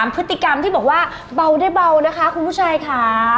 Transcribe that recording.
พฤติกรรมที่บอกว่าเบาได้เบานะคะคุณผู้ชายค่ะ